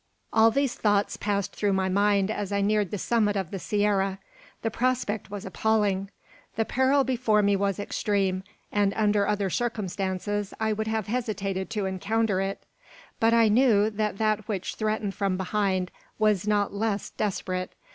All these thoughts passed through my mind as I neared the summit of the sierra. The prospect was appalling. The peril before me was extreme, and under other circumstances I would have hesitated to encounter it. But I knew that that which threatened from behind was not less desperate.